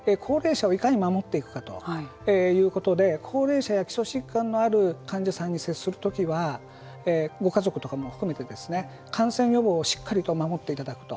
そして高齢者をいかに守っていくかということ高齢者や基礎疾患ある患者さんに接するときはご家族とかも含めて感染予防をしっかりと守っていただくと。